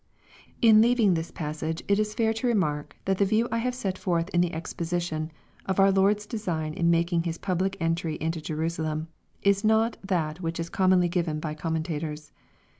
In leaving this passage, it is fair to remark, that the view I have set forth in the Exposition, of our Lord's design in making His public entry into Jerusalem, is not that which is commonly given by commentators.